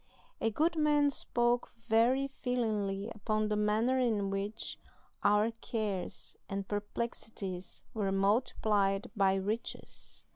A good man spoke very feelingly upon the manner in which our cares and perplexities were multiplied by riches.